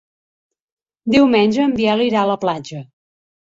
Diumenge en Biel irà a la platja.